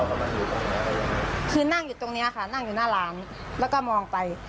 คือนั่งอยู่ตรงเนี้ยค่ะนั่งอยู่หน้าร้านแล้วก็มองไป